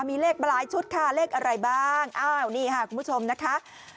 มีเลขมาหลายชุดค่ะเลขอะไรบ้างอ้าวนี่ค่ะคุณผู้ชมนะคะ